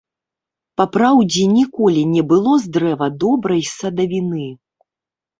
Папраўдзе ніколі не было з дрэва добрай садавіны.